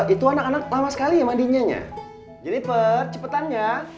itu anak anak lama sekali ya mandinya jennifer cepetan ya